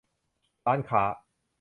ร้านค้า